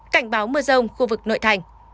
cảnh báo mưa rông khu vực nội thành